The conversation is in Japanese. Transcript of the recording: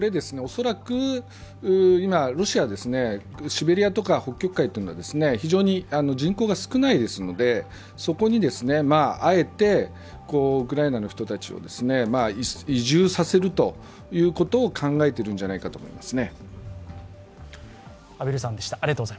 恐らく今、ロシアはシベリアとか北極海というのは非常に人口が少ないですので、そこにあえてウクライナの人たちを移住させるということを考えているんじゃないかと思います。